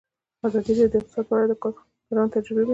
ازادي راډیو د اقتصاد په اړه د کارګرانو تجربې بیان کړي.